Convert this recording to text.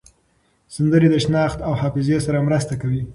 سندرې د شناخت او حافظې سره مرسته کوي.